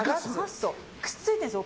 くっついているんですよ。